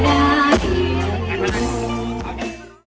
อันนี้